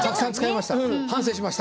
反省しました。